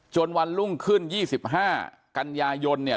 วันรุ่งขึ้น๒๕กันยายนเนี่ย